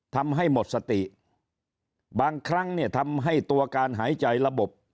ทำให้หมดสติบางครั้งเนี่ยทำให้ตัวการหายใจระบบ